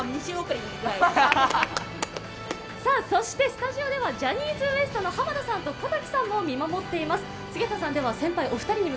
スタジオではジャニーズＷＥＳＴの濱田さんと小瀧さんも見守っています。